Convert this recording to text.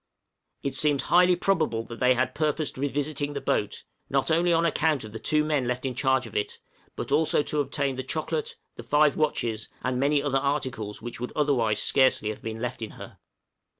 It seems highly probable that they had purposed revisiting the boat, not only on account of the two men left in charge of it, but also to obtain the chocolate, the five watches, and many other articles which would otherwise scarcely have been left in her.